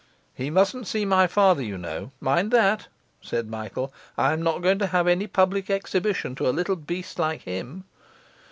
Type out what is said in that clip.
'He mustn't see my father, you know; mind that!' said Michael. 'I'm not going to have any public exhibition to a little beast like him.